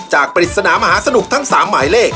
ปริศนามหาสนุกทั้ง๓หมายเลข